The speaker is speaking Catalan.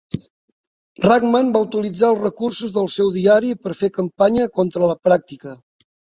Rahman va utilitzar els recursos del seu diari per fer campanya contra la pràctica.